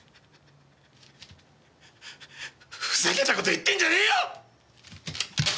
ふざけた事言ってんじゃねえよ！